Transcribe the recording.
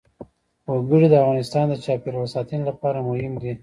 وګړي د افغانستان د چاپیریال ساتنې لپاره مهم دي.